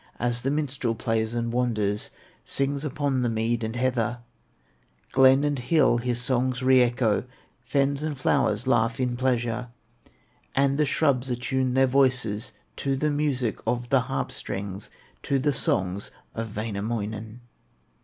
As the minstrel plays and wanders, Sings upon the mead and heather, Glen and hill his songs re echo, Ferns and flowers laugh in pleasure, And the shrubs attune their voices To the music of the harp strings, To the songs of Wainamoinen.